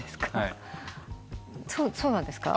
そうなんですか？